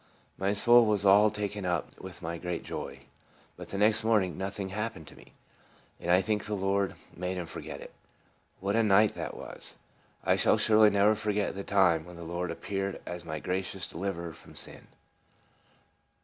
My soul was all taken up with my great joy. But the next morning nothing happened to me, and I think the Lord made him forget it. What a night that was ! I shall surely never forget the time when the Lord appeared as my gracious Deliverer from sin.